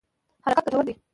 حرکت ګټور دی.